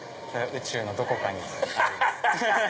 宇宙のどこかにあるんです。